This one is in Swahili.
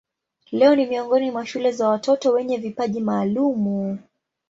Leo ni miongoni mwa shule za watoto wenye vipaji maalumu.